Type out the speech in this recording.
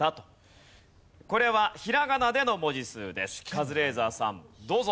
カズレーザーさんどうぞ。